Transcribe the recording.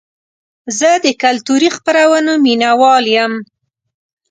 زه د کلتوري خپرونو مینهوال یم.